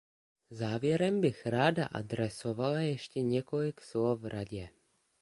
Závěrem bych ráda adresovala ještě několik slov Radě.